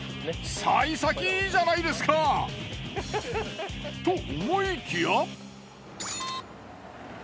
幸先いいじゃないですか。と思いきや。